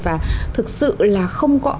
và thực sự là không có